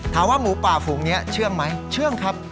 ถามว่าหมูป่าฝูงนี้เชื่องไหมเชื่องครับ